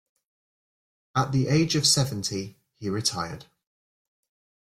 At the age of seventy, he retired.